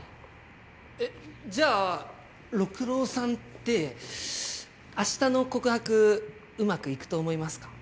えじゃあ六郎さんって明日の告白うまくいくと思いますか？